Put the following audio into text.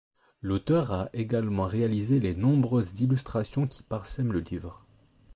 L'auteur a également réalisé les nombreuses illustrations qui parsèment le livre.